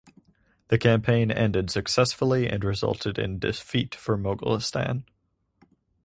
The campaign ended successfully and resulted in defeat for Moghulistan.